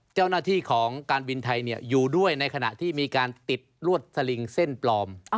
เจ้าหน้าที่ของการบินไทยอยู่ด้วยในขณะที่มีการติดลวดสลิงเส้นปลอม